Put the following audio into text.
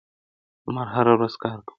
لمر هره ورځ کار کوي.